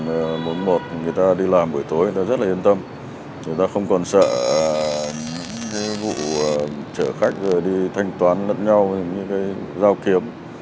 người ta đi làm buổi tối người ta rất là yên tâm người ta không còn sợ cái vụ chở khách rồi đi thanh toán lẫn nhau những cái giao kiếm